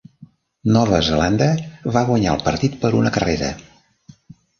Nova Zelanda va guanyar el partit per una carrera.